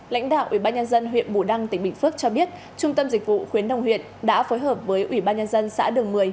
lãnh đạo ủy ban nhân dân huyện bù đăng tỉnh bình phước cho biết trung tâm dịch vụ khuyến đồng huyện đã phối hợp với ủy ban nhân dân xã đường một mươi